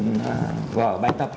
cái cuốn bài tập này